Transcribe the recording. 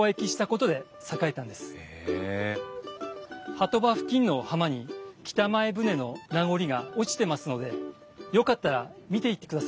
波止場付近の浜に北前船の名残が落ちてますのでよかったら見ていってください。